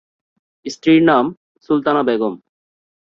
স্ত্রীর নাম সুলতানা বেগম।